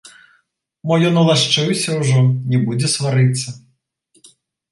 Мо ён улашчыўся ўжо, не будзе сварыцца.